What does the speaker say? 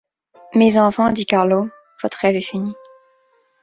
Mes enfants, dit Carlos, votre rêve est fini.